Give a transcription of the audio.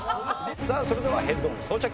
さあそれではヘッドホン装着。